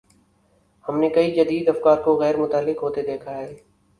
ہم نے کئی جدید افکار کو غیر متعلق ہوتے دیکھا ہے۔